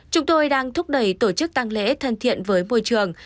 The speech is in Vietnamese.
chúng tôi đang thúc đẩy tổ chức tăng lễ thân thiện với môi trường